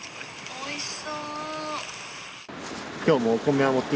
「おいしそう」。